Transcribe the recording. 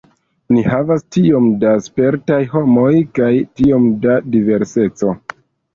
Ni havas tiom da spertaj homoj kaj tiom da diverseco.